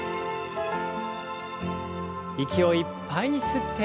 息をいっぱいに吸って。